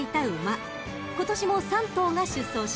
［今年も３頭が出走します］